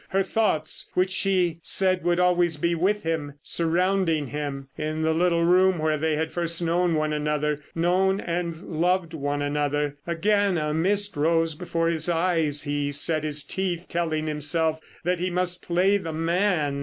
Her thoughts, which she said would always be with him, surrounding him—in the little room where they had first known one another; known and loved one another. Again a mist rose before his eyes. He set his teeth, telling himself that he must play the man.